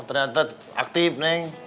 ternyata aktif neng